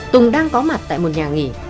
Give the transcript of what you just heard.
tùng đang có mặt tại một nhà nghỉ